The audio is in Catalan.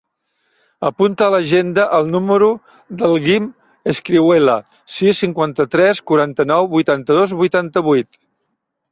Apunta a l'agenda el número del Guim Escrihuela: sis, cinquanta-tres, quaranta-nou, vuitanta-dos, vuitanta-vuit.